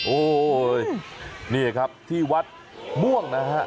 โอ้ยนี่ครับที่วัดม่วงนะฮะ